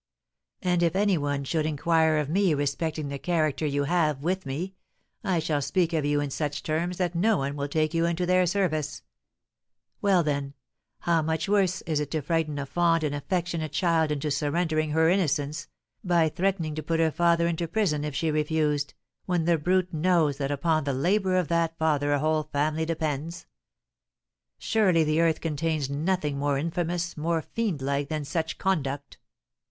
And if any one should inquire of me respecting the character you have with me, I shall speak of you in such terms that no one will take you into their service.' Well, then, how much worse is it to frighten a fond and affectionate child into surrendering her innocence, by threatening to put her father into prison if she refused, when the brute knows that upon the labour of that father a whole family depends? Surely the earth contains nothing more infamous, more fiendlike, than such conduct."